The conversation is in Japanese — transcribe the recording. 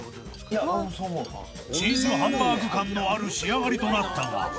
［チーズハンバーグ感のある仕上がりとなったが］